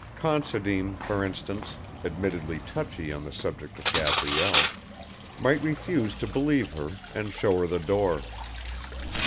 Considine, for instance, admittedly touchy on the subject of Gabrielle, might refuse to believe her and show her the door.